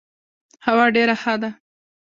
هوا ډيره ښه ده.